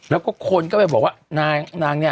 แล้วก็คนก็ไปบอกว่านางเนี่ย